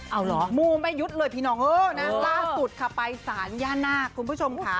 เอาเหรอมูไม่ยุดเลยพี่น้องเออนะล่าสุดค่ะไปสารย่านาคคุณผู้ชมค่ะ